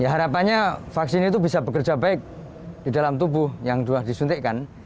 harapannya vaksin itu bisa bekerja baik di dalam tubuh yang sudah disuntikkan